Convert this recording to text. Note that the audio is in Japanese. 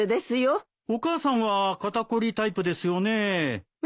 お母さんは肩凝りタイプですよねえ。